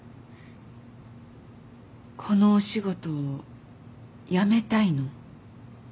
このお仕事を辞めたいの？